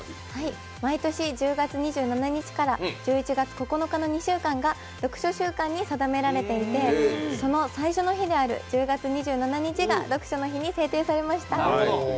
毎年１０月２７日から１１月９日の２週間が読書週間に定められていて、その最初の日である１０月２７日が読書の日に制定されました。